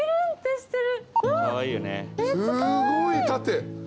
すごい縦。